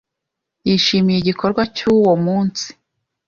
yishimiye igikorwa cyowo munsi